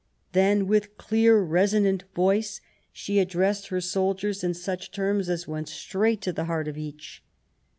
Then, with clear resonant voice, she addressed her soldiers in such terms as went straight to the heart of each.